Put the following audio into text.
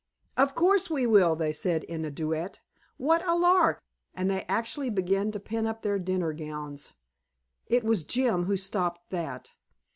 "Of course we will," they said in a duet. "What a lark!" And they actually began to pin up their dinner gowns. It was Jim who stopped that.